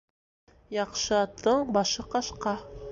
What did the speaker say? Яҡшы аттың башы ҡашҡа.